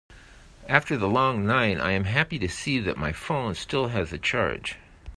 After the long night, I am happy to see that my phone still has a charge.